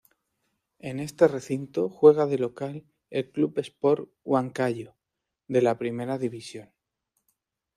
En este recinto juega de local el club Sport Huancayo, de la primera división.